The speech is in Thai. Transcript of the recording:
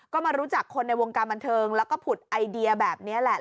ก็มารู้จักคนในวงการบันเทิงแล้วก็ผุดไอเดียแบบนี้แหละ